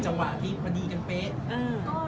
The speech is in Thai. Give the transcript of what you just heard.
ต่างคนต่างเลิกต่างคนต่างเลิกต่างคนต่างโสดมารอบกัน